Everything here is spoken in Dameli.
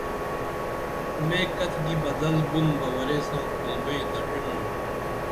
مے کتِکی بدل بُن بہ ورے ساں کُل بئیں دڇِنُن